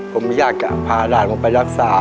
ผมอยากจะพาราชมาไปรักษา